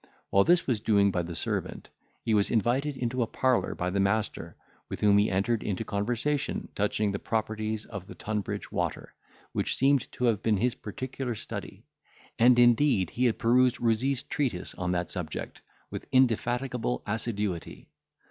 While this was doing by the servant, he was invited into a parlour by the master, with whom he entered into conversation touching the properties of the Tunbridge water, which seemed to have been his particular study; and indeed he had perused Rouzee's treatise on that subject with indefatigable assiduity.